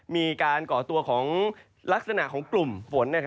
มีการก่อตัวของลักษณะของกลุ่มฝน